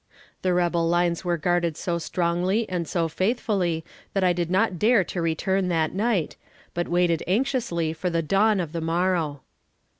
The rebel lines were guarded so strongly and so faithfully, that I did not dare to return that night, but waited anxiously for the dawn of the morrow.